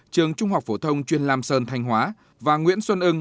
trường trung học phổ thông chuyên lam sơn thanh hóa và nguyễn xuân ưng